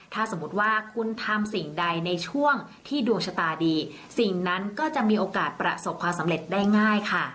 ถ้าสมมุติว่าคุณทำสิ่งใดในช่วงที่ดวงชะตาดีสิ่งนั้นก็จะมีโอกาสประสบความสำเร็จได้ง่ายค่ะ